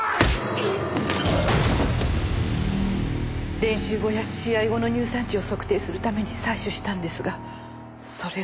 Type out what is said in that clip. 練習後や試合後の乳酸値を測定するために採取したんですがそれを。